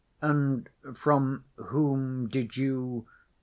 "And from whom did you